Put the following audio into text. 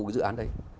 cái dự án đấy